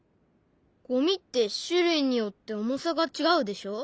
ゴミって種類によって重さが違うでしょ。